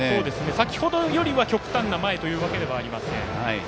先ほどより極端な前というわけではありません。